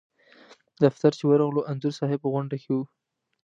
دفتر چې ورغلو انځور صاحب په غونډه کې و.